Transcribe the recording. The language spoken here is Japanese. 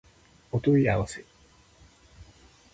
お問い合わせ